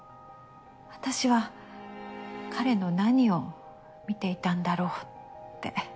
私は彼の何を見ていたんだろうって。